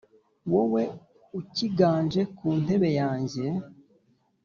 Wowe ukiganje ku nteko yanjye ,